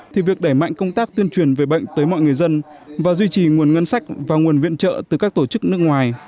thì việc đẩy mạnh công tác tuyên truyền về bệnh tới mọi người dân và duy trì nguồn ngân sách và nguồn viện trợ từ các tổ chức nước ngoài